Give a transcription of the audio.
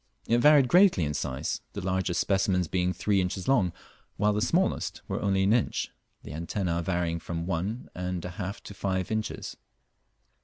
It varied greatly in size, the largest specimens being three inches long, while the smallest were only an inch, the antenna varying from one and a half to five inches.